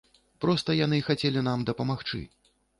Проста яны хацелі нам дапамагчы.